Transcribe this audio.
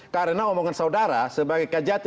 karena omongan saudara sebagai kjati